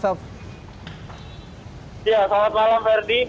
ya selamat malam verdi